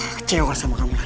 kakak kecewa sama kamu lan